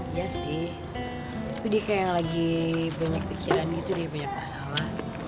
iya sih tapi dia kayak lagi banyak pikiran gitu dia banyak masalah